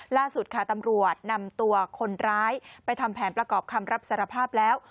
ล่าสุดค่ะตำรวจนำตัวคนร้ายไปทำแผนประกอบคำรับสารภาพแล้ว